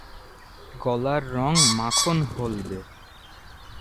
গলার রং মাখন হলদে।